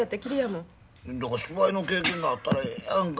芝居の経験があったらええやんか。